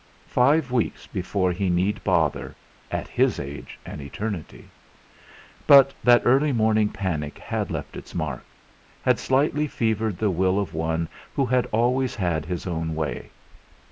Five weeks before he need bother, at his age an eternity! But that early morning panic had left its mark, had slightly fevered the will of one who had always had his own way.